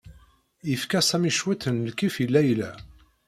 Yefka Sami cwiṭ n lkif i Layla.